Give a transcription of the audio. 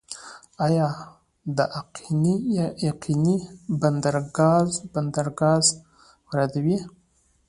آیا د اقینې بندر ګاز واردوي؟